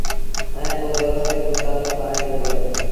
ائيٚݩ پو زرورت ري متآبڪ پآڻيٚ ڏبو اهي